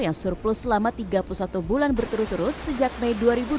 yang surplus selama tiga puluh satu bulan berturut turut sejak mei dua ribu dua puluh